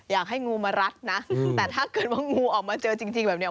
อยากให้งูมารัดนะแต่ถ้าเกิดว่างูออกมาเจอจริงแบบนี้